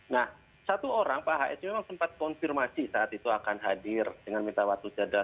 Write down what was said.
nah satu orang pak hs memang sempat konfirmasi saat itu akan hadir dengan minta waktu jadah